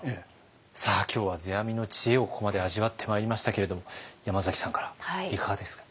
さあ今日は世阿弥の知恵をここまで味わってまいりましたけれども山崎さんからいかがですか？